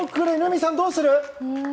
瑠海さん、どうする？